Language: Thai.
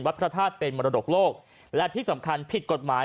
พระธาตุเป็นมรดกโลกและที่สำคัญผิดกฎหมาย